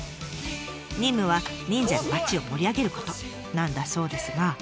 任務は忍者で町を盛り上げることなんだそうですが。